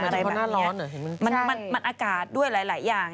มันหมายถึงเพราะหน้าร้อนเหรอมันมันอากาศด้วยหลายอย่าง